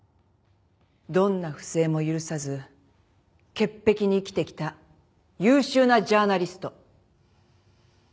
どんな不正も許さず潔癖に生きてきた優秀なジャーナリストだった。